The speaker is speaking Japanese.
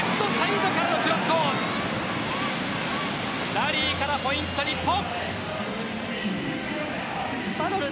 ラリーからポイント、日本。